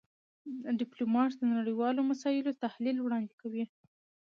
ډيپلومات د نړېوالو مسایلو تحلیل وړاندې کوي.